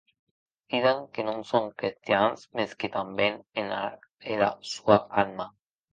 Diden que non son crestians, mès que tanben an era sua amna.